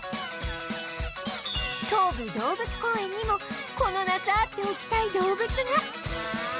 東武動物公園にもこの夏会っておきたい動物が